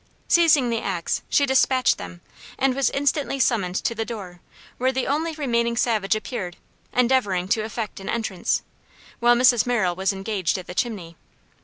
Seizing the axe, she despatched them, and was instantly summoned to the door, where the only remaining savage appeared, endeavoring to effect an entrance, while Mrs. Merrill was engaged at the chimney.